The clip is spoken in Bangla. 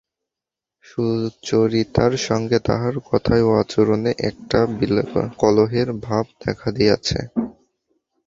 সুচরিতার সঙ্গে তাঁহার কথায় ও আচরণে একটা কলহের ভাব দেখা দিয়াছে।